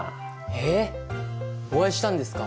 えっお会いしたんですか？